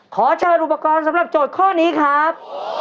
ขอเชิญอุปกรณ์สำหรับโจทย์ข้อนี้ครับ